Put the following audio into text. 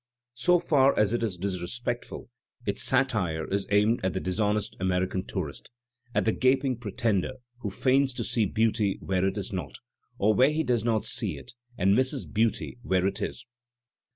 So far as it is disrespectful, its satire is aimed at the dishonest American tourist, at the gaping pretender who feigns to see beauty where it is not, or where he does not see it, and misses beauty where it is.